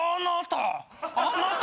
あなた！